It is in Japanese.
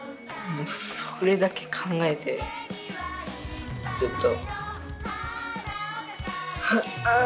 それだけ考えてずっと。